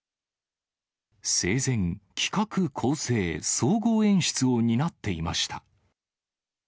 生前、企画、構成、総合演出を担っていました。